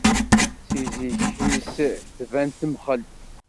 Si zik-is tban temxel.